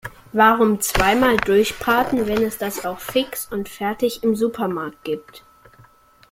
Warum zweimal durchbraten, wenn es das auch fix und fertig im Supermarkt gibt?